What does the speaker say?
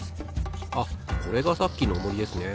あこれがさっきのオモリですね。